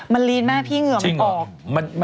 มันลีนมากพี่เหงื่อมันออก